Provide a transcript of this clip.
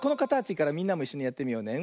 じゃきみもいっしょにやってみようね。